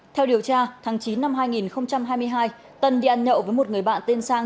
theo điều tra tháng chín năm hai nghìn hai mươi hai tân đi ăn nhậu với một người bạn tên sang